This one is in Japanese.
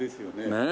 ねえ。